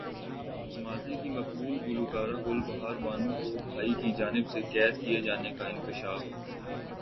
ماضی کی مقبول گلوکارہ گل بہار بانو کو بھائی کی جانب سے قید کیے جانے کا انکشاف